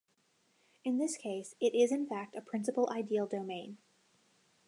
In this case it is in fact a principal ideal domain.